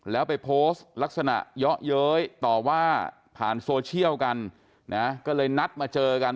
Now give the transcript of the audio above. แล้วไปโพสต์ลักษณะเยาะเย้ยต่อว่าผ่านโซเชียลกันนะก็เลยนัดมาเจอกัน